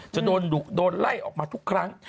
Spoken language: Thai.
จะโดนดุโดนไล่ออกมาทุกครั้ง